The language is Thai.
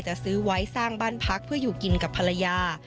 จะซื้อไว้สร้างบ้านพักเพื่ออยู่กินกับภรรยา